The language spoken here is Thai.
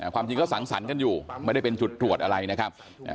ความจริงก็สังสรรค์กันอยู่ไม่ได้เป็นจุดตรวจอะไรนะครับ